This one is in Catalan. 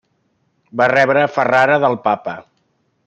Va rebre Ferrara del papa.